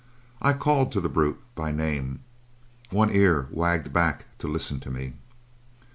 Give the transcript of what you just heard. I called to the brute by name. One ear wagged back to listen to me.